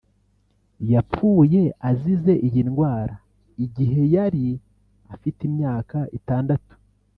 yapfuye azize iyi ndwara igihe yari afite imyaka itandatu